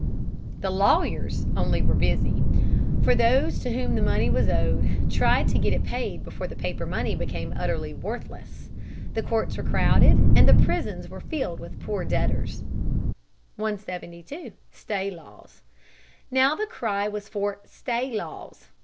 The lawyers only were busy. For those to whom money was owed tried to get it paid before the paper money became utterly worthless. The courts were crowded, and the prisons were filled with poor debtors. [Sidenote: Stay laws.] 172. Stay Laws. Now the cry was for "stay laws."